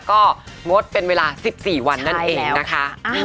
ก็งดเป็นเวลา๑๔วันนั่นเองนะคะ